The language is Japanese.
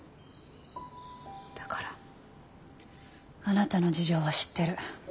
あなたの事情は知ってる。